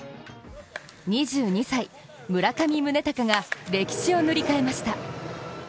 ２２歳、村上宗隆が歴史を塗り替えました。